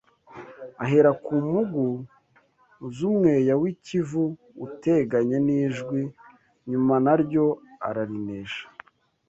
Ahera ku mpugu z’umweya w’i Kivu uteganye n Ijwi nyuma naryo ararinesha.